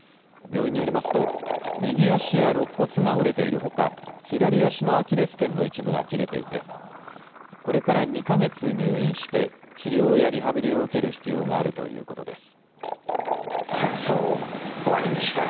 病院によりますと右足やろっ骨が折れているほか左足のアキレスけんの一部が切れていてこれから２か月、入院して治療やリハビリを受ける必要があるということです。